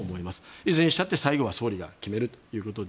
いずれにしたって最後は総理が決めるということで。